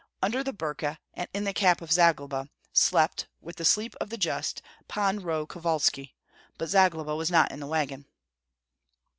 Under the burka, and in the cap of Zagloba, slept, with the sleep of the just, Pan Roh Kovalski; but Zagloba was not in the wagon.